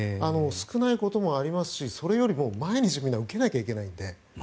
少ないこともありますしそれよりも毎日受けないといけないので。